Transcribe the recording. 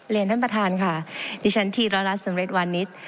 เรียนท่านประธานค่ะดิฉันทีร้อนรัฐสำเร็จวันนี้